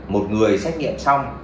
một người xét nghiệm xong